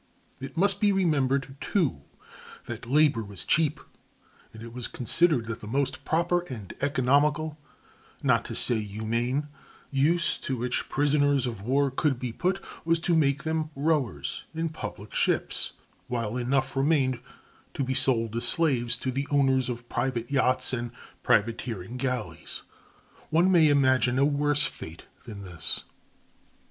It must be remembered, too, that labor was cheap; and it was considered that the most proper and economical—not to say humane—use to which prisoners of war could be put was to make them rowers in public ships, while enough remained to be sold as slaves to the owners of private yachts and privateering galleys. One may imagine a worse fate than this.